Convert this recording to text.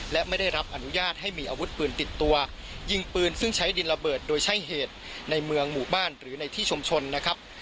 และไม่ได้รับอนุญาตให้มีอาวุธปืนติดตัวยิงปืนซึ่งใช้ดินระเบิดโดยใช้เหตุในเมืองหมู่บ้านหรือในที่ชุมชนนะครับ